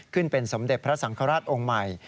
ขึ้นเป็นสมเด็จพระสังฆราชองค์ใหม่